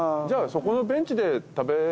じゃあそこのベンチで食べ。